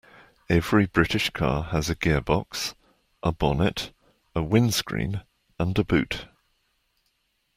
Every British car has a gearbox, a bonnet, a windscreen, and a boot